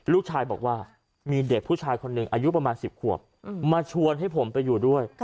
ลูกชายบอกว่ามีเด็กผู้ชายคนหนึ่งอายุประมาณ๑๐ขวบมาชวนให้ผมไปอยู่ด้วย